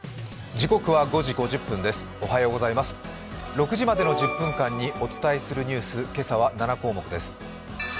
６時までの１０分間にお伝えするニュース、今朝は７項目です。